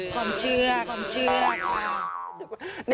ความเชื่อ